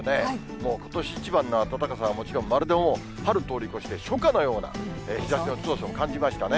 もうことし一番の暖かさはもちろん、まるでもう春通り越して、初夏のような日ざしの強さを感じましたね。